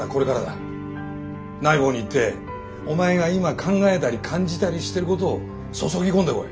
ナイボウに行ってお前が今考えたり感じたりしてることを注ぎ込んでこい。